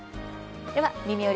では「みみより！